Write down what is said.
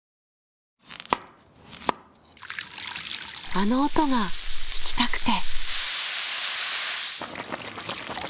あの音が聞きたくて。